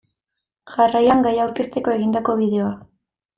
Jarraian gaia aurkezteko egindako bideoa.